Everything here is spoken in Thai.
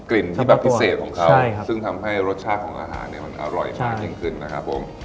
ที่แบบพิเศษของเขาซึ่งทำให้รสชาติของอาหารเนี่ยมันอร่อยมากยิ่งขึ้นนะครับผม